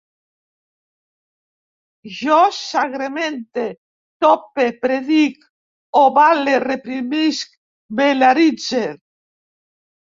Jo sagramente, tope, predic, ovale, reprimisc, velaritze